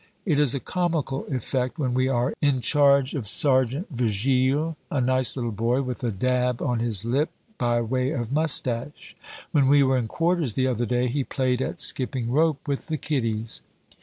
It is a comical effect when we are in charge of Sergeant Vigile, a nice little boy, with a dab on his lip by way of mustache. When we were in quarters the other day, he played at skipping rope with the kiddies.